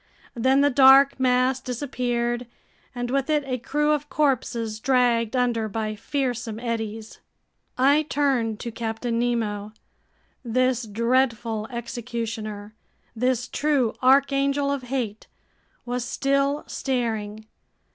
Then the dark mass disappeared, and with it a crew of corpses dragged under by fearsome eddies. ... I turned to Captain Nemo. This dreadful executioner, this true archangel of hate, was still staring.